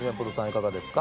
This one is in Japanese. いかがですか。